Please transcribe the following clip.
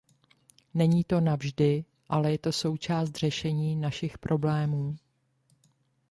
Není to navždy, ale je to součást řešení našich problémů.